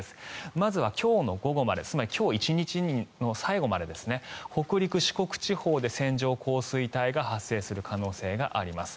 まずは今日の午後までつまり今日１日の最後まで北陸、四国地方で線状降水帯が発生する可能性があります。